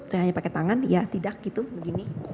saya hanya pakai tangan ya tidak gitu begini